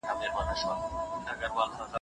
ورزش د ټولنې سالمه وده تضمینوي.